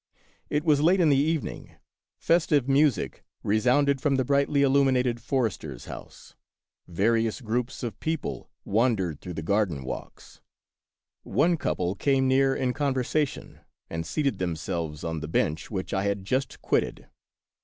It was late in the evening; festive music resounded from the of Peter Schlemihl, 79 brightly illuminated forester's house ; various groups of people wandered through the garden walks. One couple came near in conversation and seated themselves on the bench which I had just quitted.